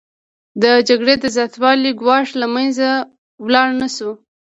د جګړې د زیاتوالي ګواښ له منځه لاړ نشو